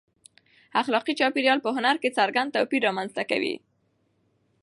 اخلاقي چاپېریال په هنر کې څرګند توپیر رامنځته کوي.